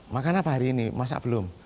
makan apa hari ini masak belum